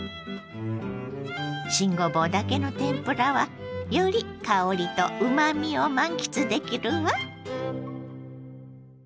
新ごぼうだけの天ぷらはより香りとうまみを満喫できるわ。